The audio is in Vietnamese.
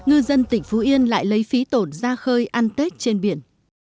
trong những ngày trăng ngư dân tỉnh phú yên lại lấy phí tổn ra khơi ăn tết trên biển